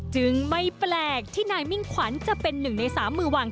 จึงไม่แปลกที่นายมิ่งขวัญจะเป็นหนึ่งในสามมือวาง